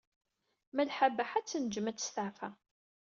Malḥa Baḥa ad tnejjem ad testeɛfa.